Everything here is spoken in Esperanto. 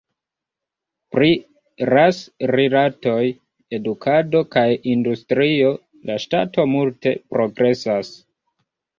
Pri ras-rilatoj, edukado kaj industrio, la ŝtato multe progresas.